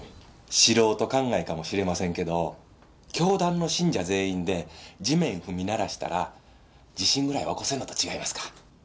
素人考えかもしれませんけど教団の信者全員で地面踏み鳴らしたら地震ぐらいは起こせんのと違いますか？